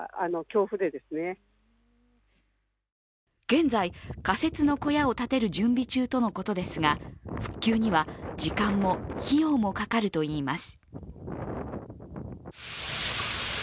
現在、仮設の小屋を建てる準備中とのことですが復旧には時間も費用もかかるといいます。